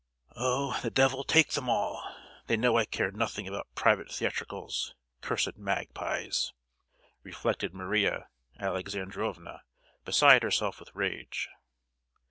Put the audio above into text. "Oh, the devil take them all! they know I care nothing about private theatricals—cursed magpies!" reflected Maria Alexandrovna, beside herself with rage.